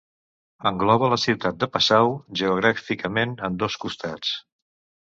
Engloba la ciutat de Passau geogràficament en dos costats.